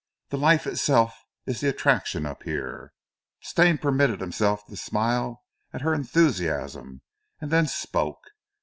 "The life itself is the attraction up here." Stane permitted himself to smile at her enthusiasm and then spoke.